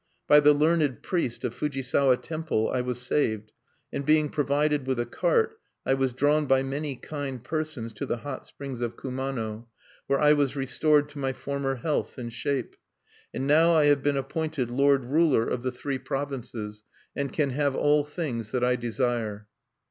"By the learned priest of Fujisawa temple I was saved, and, being provided with a cart, I was drawn by many kind persons to the hot springs of Kumano, where I was restored to my former health and shape. And now I have been appointed lord ruler of the three provinces, and can have all things that I desire."